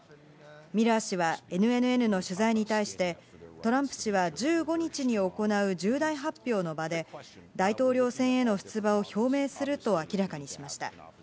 ミラー氏はＮＮＮの取材に対して、トランプ氏は１５日に行う重大発表の場で、大統領選への出馬を表明すると明らかにしました。